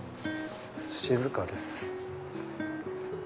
静かです。